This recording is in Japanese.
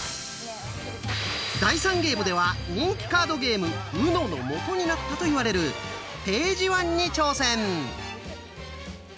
第３ゲームでは人気カードゲーム「ＵＮＯ」のもとになったと言われる「ページワン」に挑戦！